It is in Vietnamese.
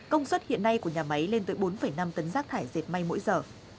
công suất hiện nay của nhà máy lên tới bốn năm tấn rác thải diệt may mỗi giờ